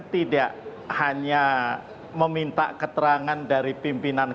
tidak hanya meminta keterangan dari pimpinan kpk